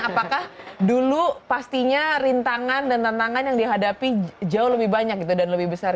apakah dulu pastinya rintangan dan tantangan yang dihadapi jauh lebih banyak gitu dan lebih besar